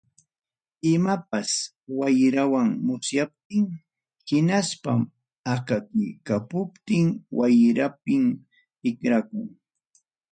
Imapas wayrawan musyaptin hinaspa akakipakuptin, wayrapim tikrakun.